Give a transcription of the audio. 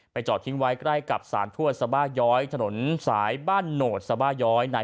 จอดทิ้งไว้ใกล้กับสารทวดสบาย้อยถนนสายบ้านโหนดสบาย้อย